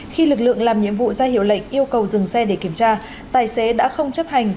khi lực lượng làm nhiệm vụ ra hiệu lệnh yêu cầu dừng xe để kiểm tra tài xế đã không chấp hành